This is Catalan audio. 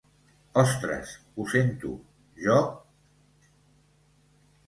Ostres, ho sento, jo...